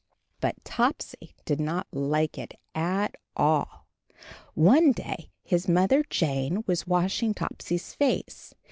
But Topsy did not like it at all. One day his Mother Jane was washing Topsy's face.